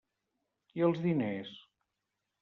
I els diners?